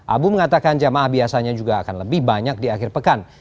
abu mengatakan jamaah biasanya juga akan lebih banyak di akhir pekan